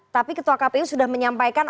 tapi ketua kpu sudah menyampaikan